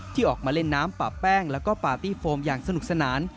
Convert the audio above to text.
ที่ออกมาเล่นน้ำป่าแป้งแล้วก็ปาร์ตี้โฟมอย่างสนุกสนาน